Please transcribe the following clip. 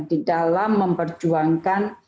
di dalam memperjuangkan